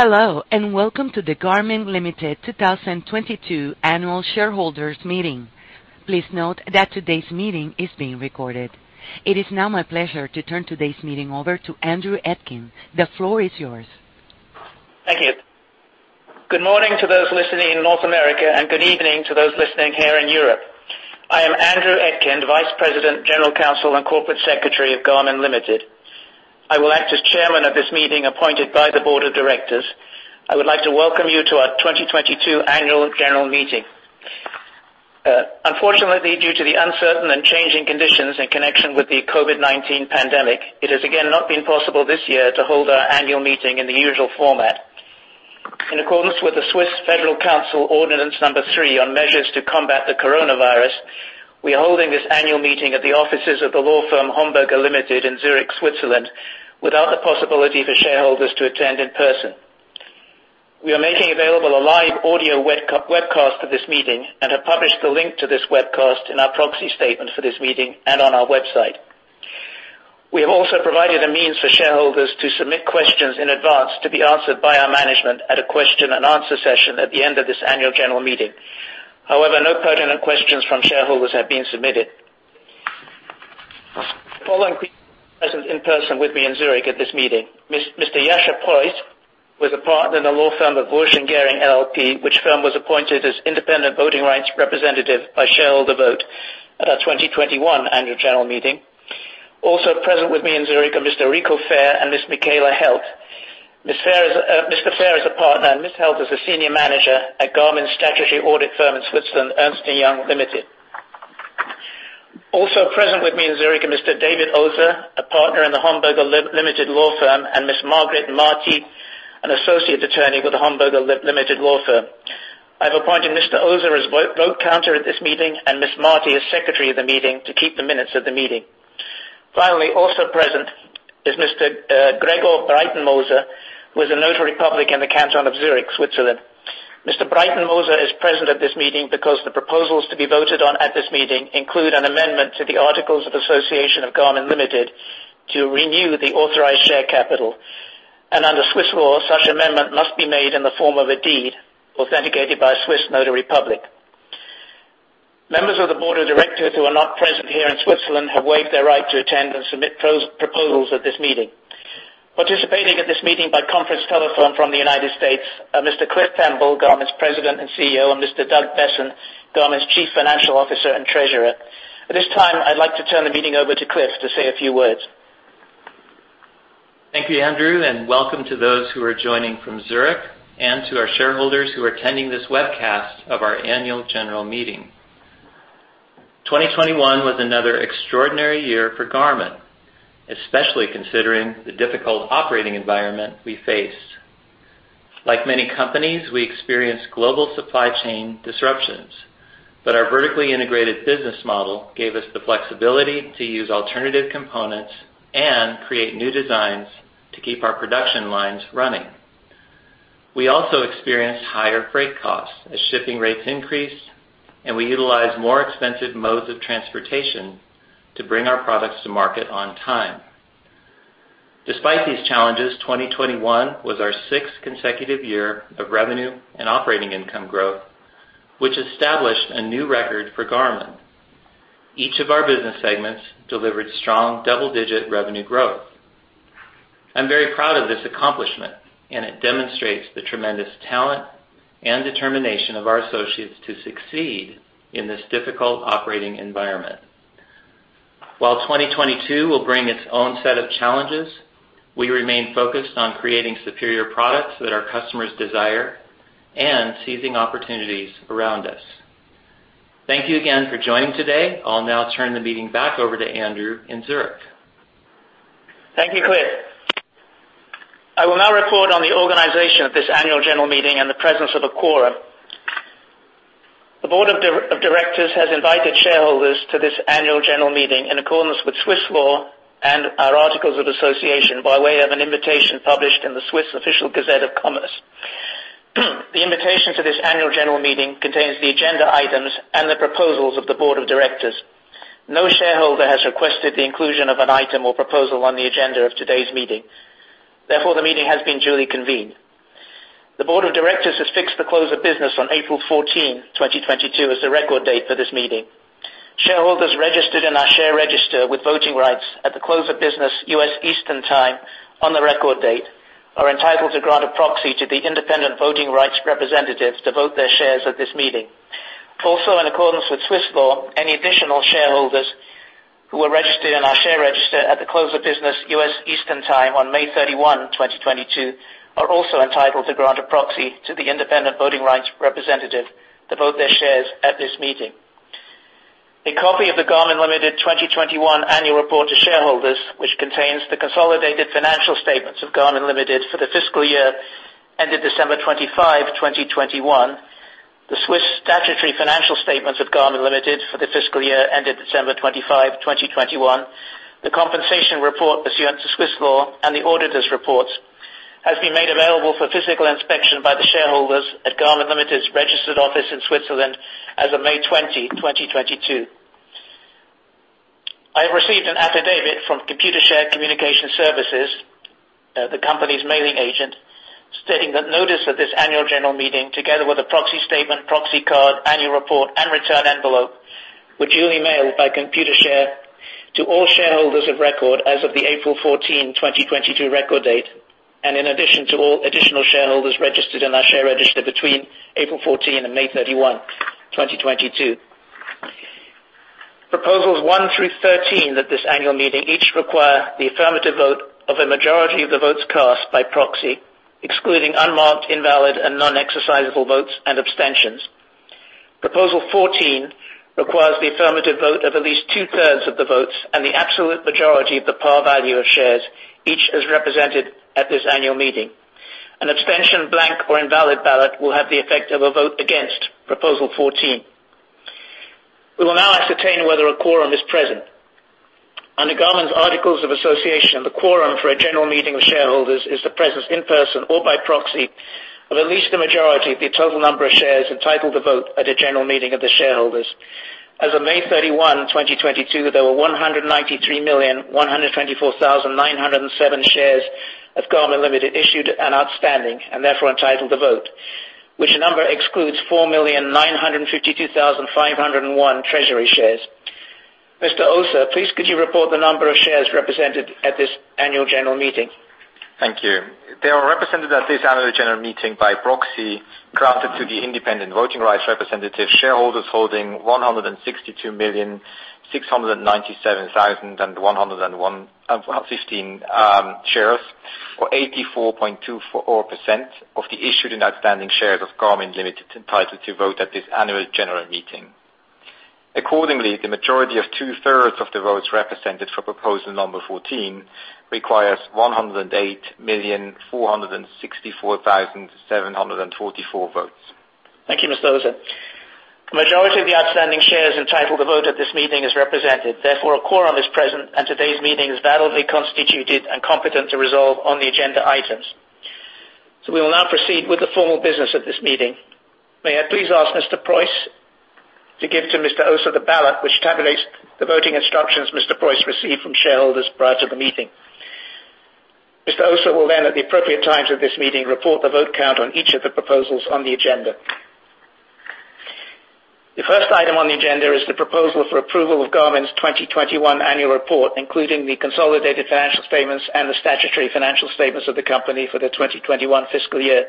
Hello, and welcome to the Garmin Ltd. 2022 Annual Shareholders Meeting. Please note that today's meeting is being recorded. It is now my pleasure to turn today's meeting over to Andrew Etkind. The floor is yours. Thank you. Good morning to those listening in North America, and good evening to those listening here in Europe. I am Andrew Etkind, Vice President, General Counsel, and Corporate Secretary of Garmin Ltd. I will act as chairman of this meeting appointed by the board of directors. I would like to welcome you to our 2022 annual general meeting. Unfortunately, due to the uncertain and changing conditions in connection with the COVID-19 pandemic, it has again not been possible this year to hold our annual meeting in the usual format. In accordance with the Swiss Federal Council Ordinance three on Measures to Combat the Coronavirus, we are holding this annual meeting at the offices of the law firm Homburger Ltd. in Zurich, Switzerland, without the possibility for shareholders to attend in person. We are making available a live audio webcast of this meeting and have published the link to this webcast in our proxy statement for this meeting and on our website. We have also provided a means for shareholders to submit questions in advance to be answered by our management at a question and answer session at the end of this annual general meeting. However, no pertinent questions from shareholders have been submitted. The following people are present in person with me in Zurich at this meeting. Mr. Jascha Preuss was a partner in the law firm of Wuersch & Gering LLP, which firm was appointed as independent voting rights representative by shareholder vote at our 2021 annual general meeting. Also present with me in Zurich are Mr. Rico Fehr and Ms. Michaela Held. Mr. Fehr is a partner, and Ms. Held is a senior manager at Garmin's statutory audit firm in Switzerland, Ernst & Young Ltd. Also present with me in Zurich are Mr. David Oser, a partner in the Homburger Ltd. law firm, and Ms. Margaret Marti, an associate attorney with the Homburger Ltd. law firm. I've appointed Mr. Oser as vote counter at this meeting and Ms. Marti as secretary of the meeting to keep the minutes of the meeting. Finally, also present is Mr. Gregor Breitenmoser, who is a notary public in the Canton of Zurich, Switzerland. Mr. Breitenmoser is present at this meeting because the proposals to be voted on at this meeting include an amendment to the articles of association of Garmin Ltd. to renew the authorized share capital. Under Swiss law, such amendment must be made in the form of a deed authenticated by a Swiss notary public. Members of the board of directors who are not present here in Switzerland have waived their right to attend and submit proposals at this meeting. Participating at this meeting by conference telephone from the United States are Mr. Cliff Pemble, Garmin's President and CEO, and Mr. Doug Boessen, Garmin's Chief Financial Officer and Treasurer. At this time, I'd like to turn the meeting over to Cliff to say a few words. Thank you, Andrew, and welcome to those who are joining from Zurich and to our shareholders who are attending this webcast of our annual general meeting. 2021 was another extraordinary year for Garmin, especially considering the difficult operating environment we faced. Like many companies, we experienced global supply chain disruptions, but our vertically integrated business model gave us the flexibility to use alternative components and create new designs to keep our production lines running. We also experienced higher freight costs as shipping rates increased, and we utilized more expensive modes of transportation to bring our products to market on time. Despite these challenges, 2021 was our sixth consecutive year of revenue and operating income growth, which established a new record for Garmin. Each of our business segments delivered strong double-digit revenue growth. I'm very proud of this accomplishment, and it demonstrates the tremendous talent and determination of our associates to succeed in this difficult operating environment. While 2022 will bring its own set of challenges, we remain focused on creating superior products that our customers desire and seizing opportunities around us. Thank you again for joining today. I'll now turn the meeting back over to Andrew in Zurich. Thank you, Cliff. I will now report on the organization of this annual general meeting and the presence of a quorum. The board of directors has invited shareholders to this annual general meeting in accordance with Swiss law and our articles of association by way of an invitation published in the Swiss Official Gazette of Commerce. The invitation to this annual general meeting contains the agenda items and the proposals of the board of directors. No shareholder has requested the inclusion of an item or proposal on the agenda of today's meeting. Therefore, the meeting has been duly convened. The board of directors has fixed the close of business on April fourteenth, twenty twenty-two, as the record date for this meeting. Shareholders registered in our share register with voting rights at the close of business U.S. Eastern Time on the record date are entitled to grant a proxy to the independent voting rights representatives to vote their shares at this meeting. In accordance with Swiss law, any additional shareholders who were registered in our share register at the close of business U.S. Eastern Time on May 31, 2022, are also entitled to grant a proxy to the independent voting rights representative to vote their shares at this meeting. A copy of the Garmin Ltd. 2021 annual report to shareholders, which contains the consolidated financial statements of Garmin Ltd. for the fiscal year ended December 25, 2021, the Swiss statutory financial statements of Garmin Ltd. for the fiscal year ended December 25, 2021, the compensation report pursuant to Swiss law, and the auditors reports, has been made available for physical inspection by the shareholders at Garmin Ltd.'s registered office in Switzerland as of May 20, 2022. I have received an affidavit from Computershare Communication Services, the company's mailing agent, stating that notice of this annual general meeting, together with a proxy statement, proxy card, annual report, and return envelope, were duly mailed by Computershare to all shareholders of record as of the April 14, 2022 record date, and in addition to all additional shareholders registered in our share register between April 14 and May 31, 2022. Proposals one through 13 at this annual meeting each require the affirmative vote of a majority of the votes cast by proxy, excluding unmarked, invalid, and non-exercisable votes and abstentions. Proposal 14 requires the affirmative vote of at least two-thirds of the votes and the absolute majority of the par value of shares, each as represented at this annual meeting. An abstention, blank, or invalid ballot will have the effect of a vote against proposal 14. We will now ascertain whether a quorum is present. Under Garmin's articles of association, the quorum for a general meeting of shareholders is the presence in person or by proxy of at least the majority of the total number of shares entitled to vote at a general meeting of the shareholders. As of May 31, 2022, there were 193,124,907 shares of Garmin Ltd. issued and outstanding, and therefore entitled to vote. Which number excludes 4,952,501 treasury shares. Mr. Oser, please could you report the number of shares represented at this annual general meeting? Thank you. They are represented at this annual general meeting by proxy granted to the independent voting rights representative shareholders holding 162,697,015 shares, or 84.244% of the issued and outstanding shares of Garmin Ltd. entitled to vote at this annual general meeting. Accordingly, the majority of two-thirds of the votes represented for proposal number fourteen requires 108,464,744 votes. Thank you, Mr. Oser. The majority of the outstanding shares entitled to vote at this meeting is represented. Therefore, a quorum is present, and today's meeting is validly constituted and competent to resolve on the agenda items. We will now proceed with the formal business of this meeting. May I please ask Mr. Preuss to give to Mr. Oser the ballot which tabulates the voting instructions Mr. Preuss received from shareholders prior to the meeting. Mr. Oser will then, at the appropriate times of this meeting, report the vote count on each of the proposals on the agenda. The first item on the agenda is the proposal for approval of Garmin's 2021 annual report, including the consolidated financial statements and the statutory financial statements of the company for the 2021 fiscal year.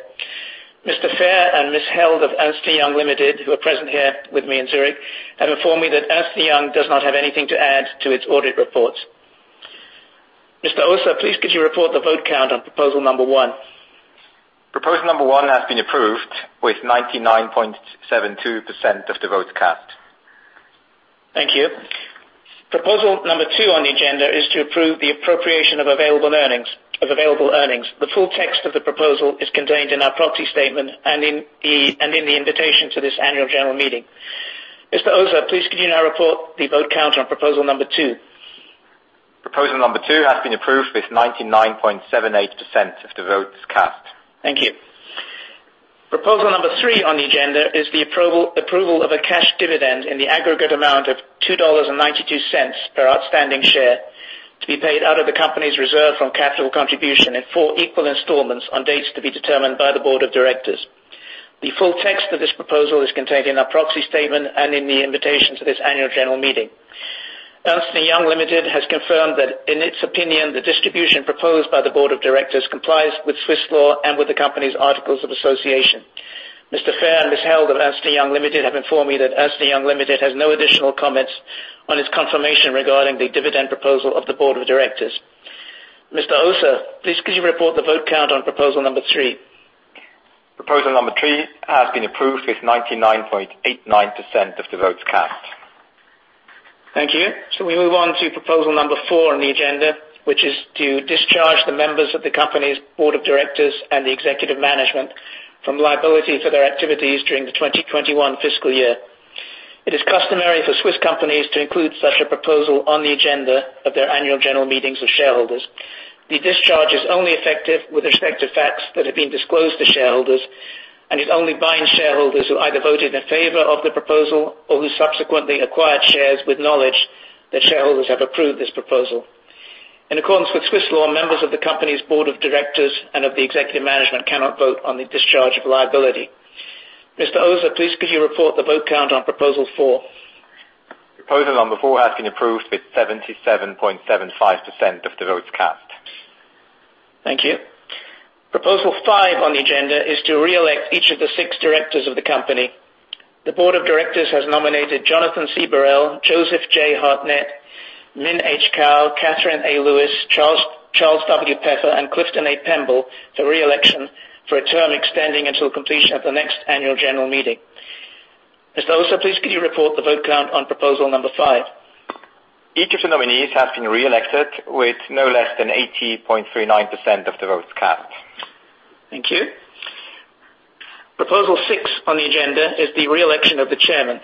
Mr. Mr. Fehr and Ms. Held of Ernst & Young AG, who are present here with me in Zurich, have informed me that Ernst & Young does not have anything to add to its audit reports. Mr. Oser, please could you report the vote count on proposal number one? Proposal number one has been approved with 99.72% of the votes cast. Thank you. Proposal number two on the agenda is to approve the appropriation of available earnings. The full text of the proposal is contained in our proxy statement and in the invitation to this annual general meeting. Mr. Oser, please could you now report the vote count on proposal number two? Proposal number two has been approved with 99.78% of the votes cast. Thank you. Proposal number three on the agenda is the approval of a cash dividend in the aggregate amount of $2.92 per outstanding share to be paid out of the company's reserve from capital contribution in four equal installments on dates to be determined by the board of directors. The full text of this proposal is contained in our proxy statement and in the invitation to this annual general meeting. Ernst & Young AG has confirmed that, in its opinion, the distribution proposed by the board of directors complies with Swiss law and with the company's articles of association. Mr. Fehr and Ms. Held of Ernst & Young AG have informed me that Ernst & Young AG has no additional comments on its confirmation regarding the dividend proposal of the board of directors. Mr. Oser, please could you report the vote count on proposal number three? Proposal number three has been approved with 99.89% of the votes cast. Thank you. Shall we move on to proposal number four on the agenda, which is to discharge the members of the company's board of directors and the executive management from liability for their activities during the 2021 fiscal year. It is customary for Swiss companies to include such a proposal on the agenda of their annual general meetings with shareholders. The discharge is only effective with respect to facts that have been disclosed to shareholders and it only binds shareholders who either voted in favor of the proposal or who subsequently acquired shares with knowledge that shareholders have approved this proposal. In accordance with Swiss law, members of the company's board of directors and of the executive management cannot vote on the discharge of liability. Mr. David Oser, please could you report the vote count on proposal four? Proposal number four has been approved with 77.75% of the votes cast. Thank you. Proposal five on the agenda is to re-elect each of the six directors of the company. The board of directors has nominated Jonathan C. Burrell, Joseph J. Hartnett, Min H. Kao, Catherine A. Lewis, Charles W. Peffer, and Clifton A. Pemble to re-election for a term extending until completion of the next annual general meeting. Mr. Oser, please could you report the vote count on proposal number five? Each of the nominees has been re-elected with no less than 80.39% of the votes cast. Thank you. Proposal six on the agenda is the re-election of the chairman.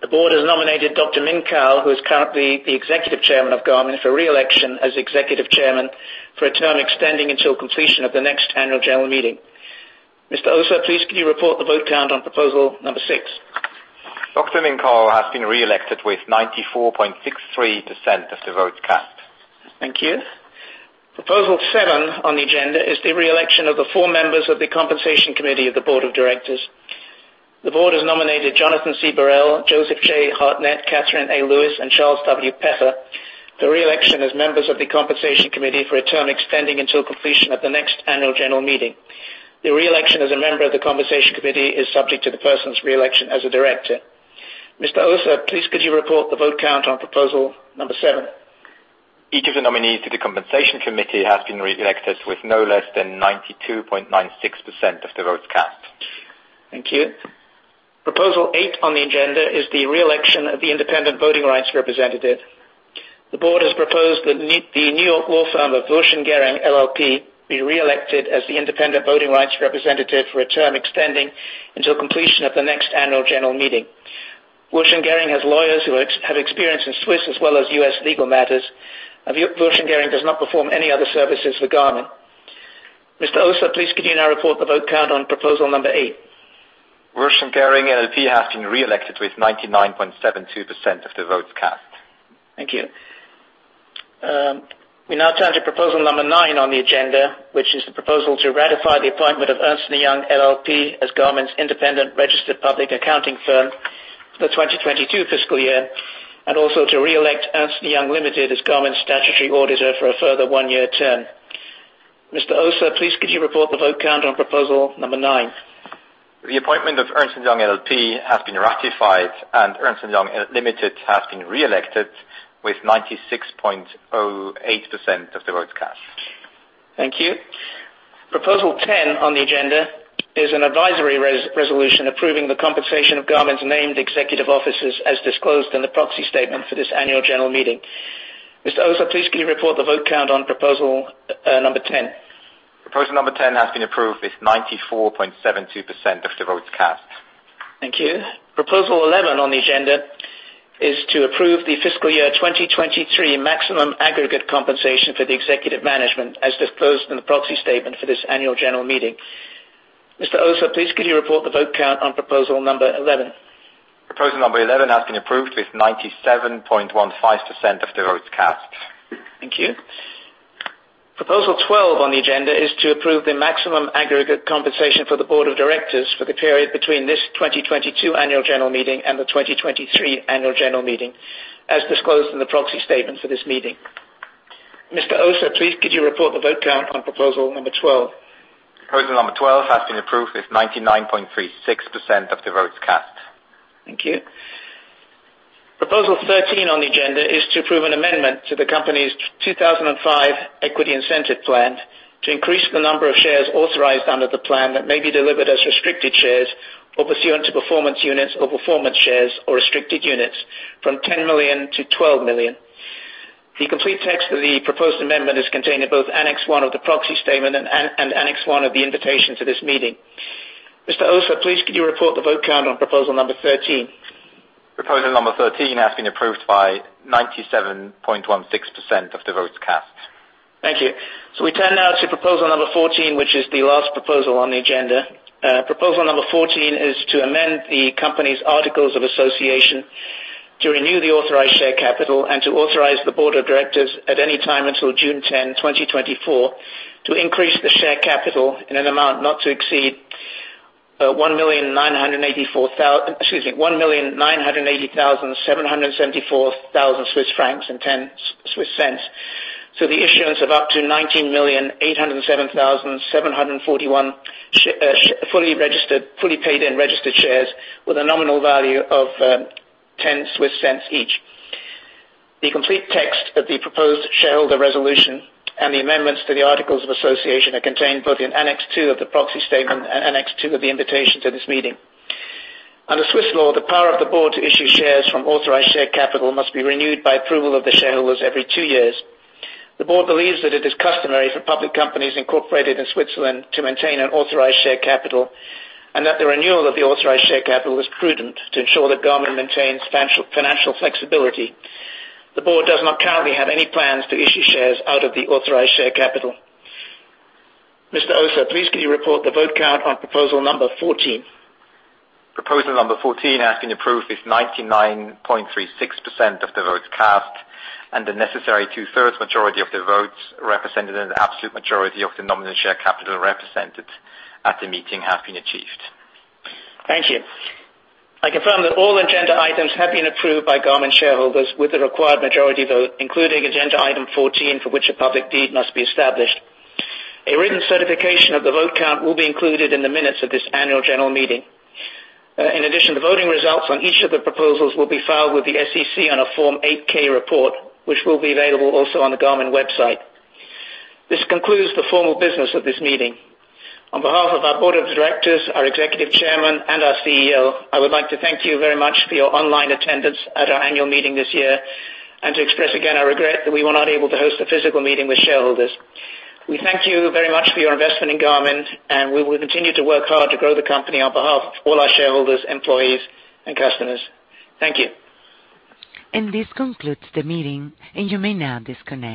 The board has nominated Dr. Min H. Kao, who is currently the executive chairman of Garmin, for re-election as executive chairman for a term extending until completion of the next annual general meeting. Mr. Oser, please could you report the vote count on proposal number six? Dr. Min H. Kao has been reelected with 94.63% of the votes cast. Thank you. Proposal seven on the agenda is the reelection of the four members of the Compensation Committee of the Board of Directors. The board has nominated Jonathan C. Burrell, Joseph J. Hartnett, Catherine A. Lewis, and Charles W. Peffer for reelection as members of the Compensation Committee for a term extending until completion of the next annual general meeting. The reelection as a member of the Compensation Committee is subject to the person's reelection as a director. Mr. Oser, please could you report the vote count on proposal number seven? Each of the nominees to the Compensation Committee has been reelected with no less than 92.96% of the votes cast. Thank you. Proposal 8 on the agenda is the reelection of the independent voting rights representative. The board has proposed that the New York law firm of Wuersch & Gering LLP be reelected as the independent voting rights representative for a term extending until completion of the next annual general meeting. Wuersch & Gering LLP has lawyers who have experience in Swiss as well as U.S. legal matters. Wuersch & Gering LLP does not perform any other services for Garmin. Mr. Oser, please could you now report the vote count on proposal number 8. Wuersch & Gering LLP has been reelected with 99.72% of the votes cast. Thank you. We now turn to proposal number nine on the agenda, which is the proposal to ratify the appointment of Ernst & Young LLP as Garmin's independent registered public accounting firm for the 2022 fiscal year, and also to reelect Ernst & Young AG as Garmin's statutory auditor for a further one-year term. Mr. Oser, please could you report the vote count on proposal number nine. The appointment of Ernst & Young LLP has been ratified, and Ernst & Young AG has been reelected with 96.08% of the votes cast. Thank you. Proposal 10 on the agenda is an advisory resolution approving the compensation of Garmin's named executive officers as disclosed in the proxy statement for this annual general meeting. Mr. Oser, please can you report the vote count on proposal number 10. Proposal number 10 has been approved with 94.72% of the votes cast. Thank you. Proposal 11 on the agenda is to approve the fiscal year 2023 maximum aggregate compensation for the executive management as disclosed in the proxy statement for this annual general meeting. Mr. David Oser, please could you report the vote count on proposal number 11. Proposal number 11 has been approved with 97.15% of the votes cast. Thank you. Proposal 12 on the agenda is to approve the maximum aggregate compensation for the board of directors for the period between this 2022 annual general meeting and the 2023 annual general meeting, as disclosed in the proxy statement for this meeting. Mr. Oser, please could you report the vote count on proposal number 12. Proposal number 12 has been approved with 99.36% of the votes cast. Thank you. Proposal 13 on the agenda is to approve an amendment to the company's 2005 equity incentive plan to increase the number of shares authorized under the plan that may be delivered as restricted shares or pursuant to performance units or performance shares or restricted units from 10 million to 12 million. The complete text of the proposed amendment is contained in both annex one of the proxy statement and annex one of the invitation to this meeting. Mr. Oser, please could you report the vote count on proposal number 13. Proposal number 13 has been approved by 97.16% of the votes cast. Thank you. We turn now to proposal number 14, which is the last proposal on the agenda. Proposal number 14 is to amend the company's articles of association to renew the authorized share capital and to authorize the board of directors at any time until June 10, 2024, to increase the share capital in an amount not to exceed 1,980,774.10 Swiss francs. The issuance of up to 19,807,741 fully registered, fully paid in registered shares with a nominal value of 10 Swiss cents each. The complete text of the proposed shareholder resolution and the amendments to the articles of association are contained both in annex 2 of the proxy statement and annex 2 of the invitation to this meeting. Under Swiss law, the power of the board to issue shares from authorized share capital must be renewed by approval of the shareholders every 2 years. The board believes that it is customary for public companies incorporated in Switzerland to maintain an authorized share capital and that the renewal of the authorized share capital is prudent to ensure that Garmin maintains financial flexibility. The board does not currently have any plans to issue shares out of the authorized share capital. Mr. Oser, please could you report the vote count on proposal number 14. Proposal number 14 has been approved with 99.36% of the votes cast and the necessary two-thirds majority of the votes represented in the absolute majority of the nominal share capital represented at the meeting have been achieved. Thank you. I confirm that all agenda items have been approved by Garmin shareholders with the required majority vote, including agenda item 14, for which a public deed must be established. A written certification of the vote count will be included in the minutes of this annual general meeting. In addition, the voting results on each of the proposals will be filed with the SEC on a Form 8-K report, which will be available also on the Garmin website. This concludes the formal business of this meeting. On behalf of our board of directors, our executive chairman, and our CEO, I would like to thank you very much for your online attendance at our annual meeting this year and to express again our regret that we were not able to host a physical meeting with shareholders. We thank you very much for your investment in Garmin, and we will continue to work hard to grow the company on behalf of all our shareholders, employees, and customers. Thank you. This concludes the meeting, and you may now disconnect.